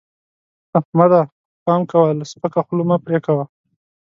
احمده! پام کوه؛ له سپکه خوله مه پرې کوه.